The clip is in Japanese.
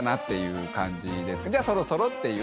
じゃあそろそろっていう。